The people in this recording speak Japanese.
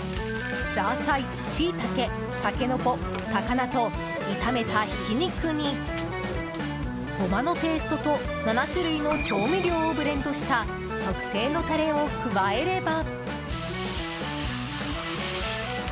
ザーサイ、シイタケ、タケノコ高菜と炒めたひき肉にゴマのペーストと７種類の調味料をブレンドした特製のタレを加えれば。